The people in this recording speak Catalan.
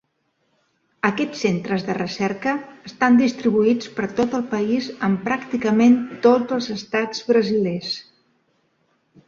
Aquests centres de recerca estan distribuïts per tot el país en pràcticament tots els estats brasilers.